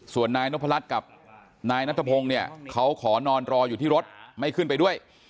ส่วนนายนพรัชกับนายนัทพงศ์เนี่ยเขาขอนอนรออยู่ที่รถไม่ขึ้นไปด้วย